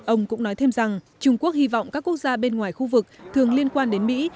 ông cũng nói thêm rằng trung quốc hy vọng các quốc gia bên ngoài khu vực thường liên quan đến mỹ